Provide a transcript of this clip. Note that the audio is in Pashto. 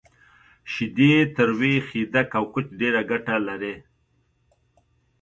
شیدې، تروی، خیدک، او کوچ ډیره ګټه لری